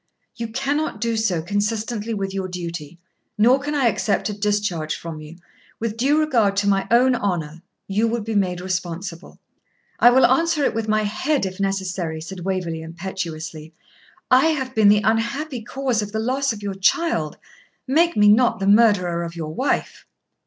'You cannot do so consistently with your duty; nor can I accept a discharge from you, with due regard to my own honour; you would be made responsible.' 'I will answer it with my head, if necessary,' said Waverley impetuously. 'I have been the unhappy cause of the loss of your child, make me not the murderer of your wife.'